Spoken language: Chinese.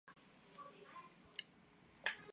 二万学派重要传承人。